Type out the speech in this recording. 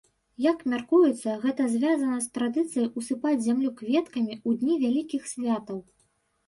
Як мяркуецца, гэта звязана з традыцыяй усыпаць зямлю кветкамі ў дні вялікіх святаў.